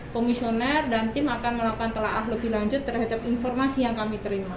komisioner dan tim akan melakukan telah lebih lanjut terhadap informasi yang kami terima